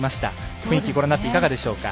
雰囲気ご覧になっていかがでしょうか？